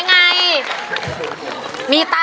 งี้ก็เรียกก้าว